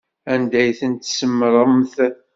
Anda ay tent-tsemmṛemt?